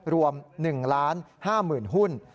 รวม๑ล้าน๕๐๐๐๐หุ้น